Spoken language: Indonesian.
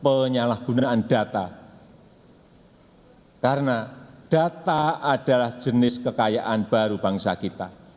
penyalahgunaan data karena data adalah jenis kekayaan baru bangsa kita